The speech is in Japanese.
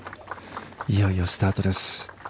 いよいよスタートです。